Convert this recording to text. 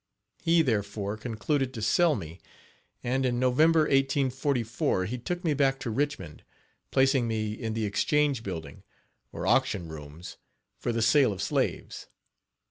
He, therefore, concluded to sell me, and, in November, 1844, he took me back to Richmond, placing me in the Exchange building, or auction rooms, for the sale of slaves.